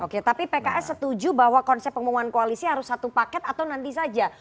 oke tapi pks setuju bahwa konsep pengumuman koalisi harus satu paket atau nanti saja